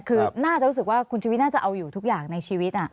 คือน่าจะรู้สึกว่าคุณชุวิตน่าจะเอาอยู่ทุกอย่างในชีวิต